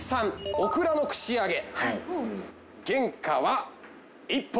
オクラの串揚げ原価は。